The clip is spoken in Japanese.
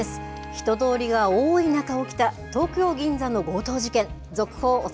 人通りが多い中起きた東京・銀座の強盗事件。